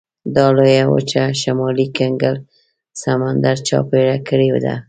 دا لویه وچه شمالي کنګل سمندر چاپېره کړې ده.